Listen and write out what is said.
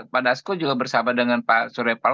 pak dasko juga bersahabat dengan pak suryapalo